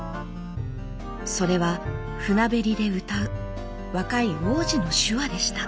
それは船べりで歌う若い王子の手話でした。